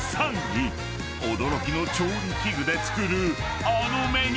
［驚きの調理器具で作るあのメニュー］